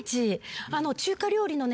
あの中華料理のね。